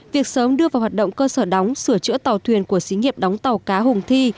việc sớm đưa vào hoạt động cơ sở đóng sửa chữa tàu thuyền của xí nghiệp đóng tàu cá hùng thi